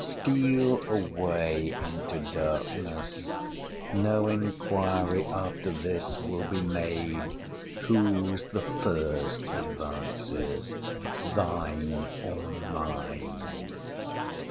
—Steal away into darkness! No inquiry after this will be made, whose the first advances, thine or mine.